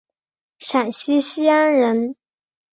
陕西西安人。